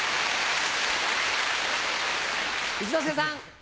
一之輔さん。